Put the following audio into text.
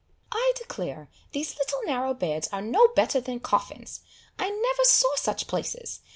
"I declare these little narrow beds are no better than coffins! I never saw such places!